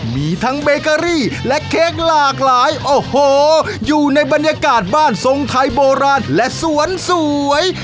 มีทั้งเบเกอรี่และเค้กหลากหลายโอ้โหอยู่ในบรรยากาศบ้านทรงไทยโบราณและสวนสวย